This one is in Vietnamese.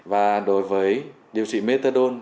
và đối với điều trị methadone